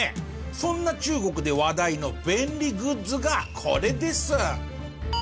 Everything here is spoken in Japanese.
そんな中国で話題の便利グッズがこれです。